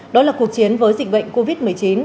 đó là cuộc chiến với dịch bệnh covid một mươi chín